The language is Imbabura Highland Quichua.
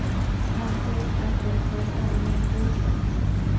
Atuk atallpata mikurka